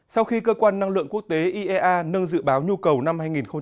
sau khi cơ quan năng lượng quốc tế iea nâng dự báo nhu cầu năm hai nghìn hai mươi